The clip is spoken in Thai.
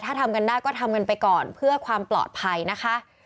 ถ้าทำกันได้ก็ทำกันไปก่อนเพื่อความปลอดภัยนะคะ